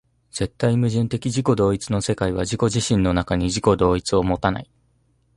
絶対矛盾的自己同一の世界は自己自身の中に自己同一を有たない。